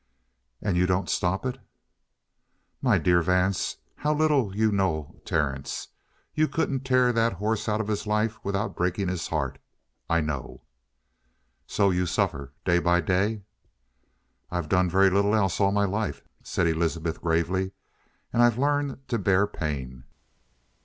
"And you don't stop it?" "My dear Vance, how little you know Terence! You couldn't tear that horse out of his life without breaking his heart. I know!" "So you suffer, day by day?" "I've done very little else all my life," said Elizabeth gravely. "And I've learned to bear pain."